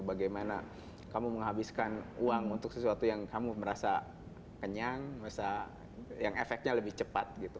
bagaimana kamu menghabiskan uang untuk sesuatu yang kamu merasa kenyang yang efeknya lebih cepat gitu